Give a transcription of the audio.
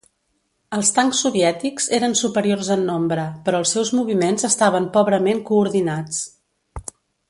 Els tancs soviètics eren superiors en nombre, però els seus moviments estaven pobrament coordinats.